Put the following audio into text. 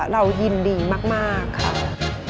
เรายินดีมากค่ะ